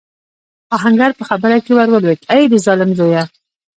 آهنګر په خبره کې ور ولوېد: اې د ظالم زويه!